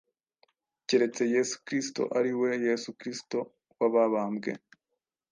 keretse Yesu Kristo, ari we Yesu Kristo wabambwe.